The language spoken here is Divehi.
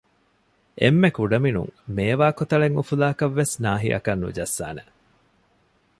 އެންމެ ކުޑަމިނުން މޭވާ ކޮތަޅެއް އުފުލާކަށް ވެސް ނާހިއަކަށް ނުޖައްސާނެ